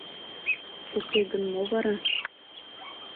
Уке гын, мо вара...